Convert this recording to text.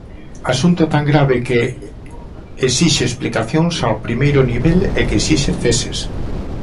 Asunto tan grave que exixe explicacións ao primeiro nivel e que exixe ceses.